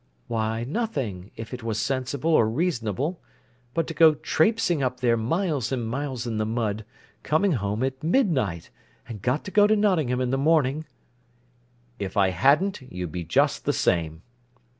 "Why, nothing, if it was sensible or reasonable. But to go trapseing up there miles and miles in the mud, coming home at midnight, and got to go to Nottingham in the morning—" "If I hadn't, you'd be just the same."